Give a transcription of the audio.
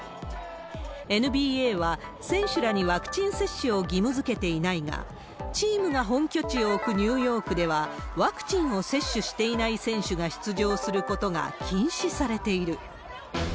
ＮＢＡは選手らにワクチン接種を義務づけていないが、チームが本拠地を置くニューヨークでは、ワクチンを接種していない選手が出場することが禁止されている。